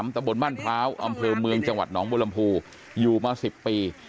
ตะบนบ้านพร้าวอำเภอเมืองจังหวัดหนองบุรมภูอยู่มา๑๐ปี